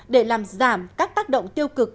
để làm giảm các tác động tiêu cực